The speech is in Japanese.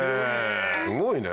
すごいね！